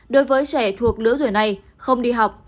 đối với trẻ thuộc lứa tuổi này không đi học